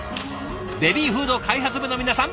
ベビーフード開発部の皆さん